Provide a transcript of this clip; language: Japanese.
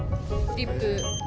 リップ？